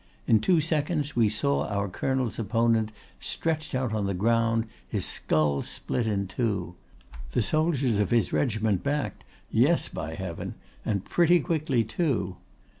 In two seconds we saw our Colonel's opponent stretched on the ground, his skull split in two. The soldiers of his regiment backed—yes, by heaven, and pretty quickly too.